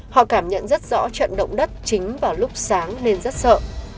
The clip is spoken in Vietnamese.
họ cảm nhận rất rõ trận động đất chính vào lúc sáng nên rất sợ